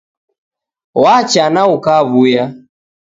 Wacha na ukawuya